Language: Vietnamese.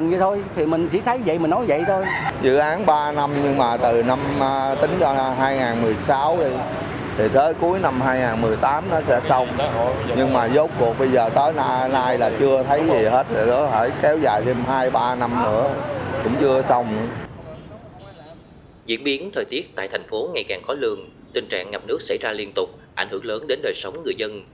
diễn biến thời tiết tại thành phố ngày càng khó lường tình trạng ngập nước xảy ra liên tục ảnh hưởng lớn đến đời sống người dân